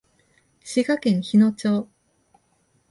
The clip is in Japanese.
滋賀県日野町